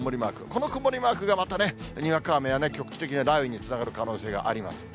この曇りマークがまたね、にわか雨や局地的な雷雨につながる可能性があります。